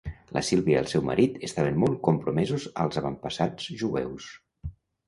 La Silvia i el seu marit estaven molt compromesos als avantpassats jueus.